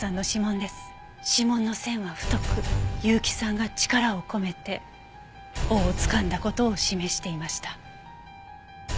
指紋の線は太く結城さんが力を込めて尾をつかんだ事を示していました。